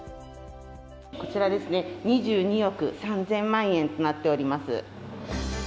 こちら、２２億３０００万円となっております。